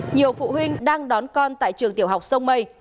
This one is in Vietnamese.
nhiều phụ huynh đang đón con tại trường tiểu học sông mây